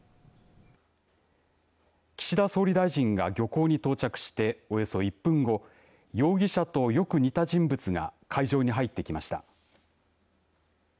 岸田総理大臣が漁港に到着しておよそ１分後容疑者と、よく似た人物が会場に入ってきました。